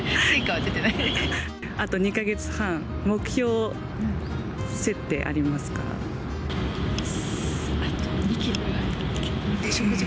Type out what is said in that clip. あと２か月半、目標設定ありあと２キロ。